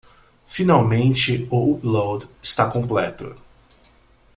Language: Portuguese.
Finalmente o upload está completo